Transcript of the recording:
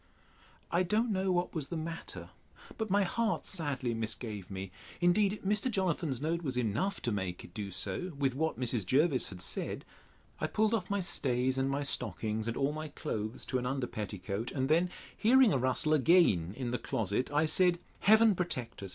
I don't know what was the matter, but my heart sadly misgave me: Indeed, Mr. Jonathan's note was enough to make it do so, with what Mrs. Jervis had said. I pulled off my stays, and my stockings, and all my clothes to an under petticoat; and then hearing a rustling again in the closet, I said, Heaven protect us!